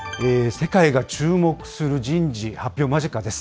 世界が注目する人事、発表間近です。